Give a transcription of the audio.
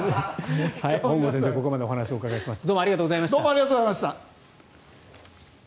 本郷先生にここまでお話をお伺いしました。